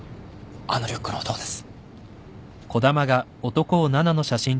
あのリュックの男です。